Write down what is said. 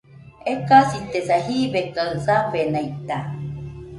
Ekasitesa, jibe kaɨ safenaita